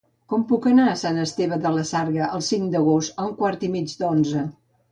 Com puc anar a Sant Esteve de la Sarga el cinc d'agost a un quart i mig d'onze?